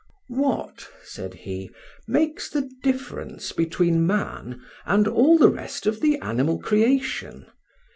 "What," said he, "makes the difference between man and all the rest of the animal creation?